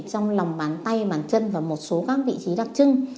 trong lòng bàn tay bàn chân và một số các vị trí đặc trưng